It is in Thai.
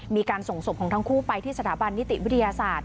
มีการส่งศพของทั้งคู่ไปที่สถาบันนิติวิทยาศาสตร์